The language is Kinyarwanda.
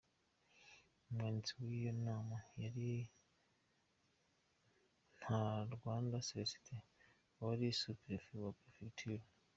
Umwanditsi w’iyo nama yari Ntarwanda Célestin wari Su-Perefe wa Perefegitura.